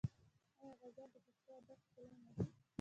آیا غزل د پښتو ادب ښکلا نه ده؟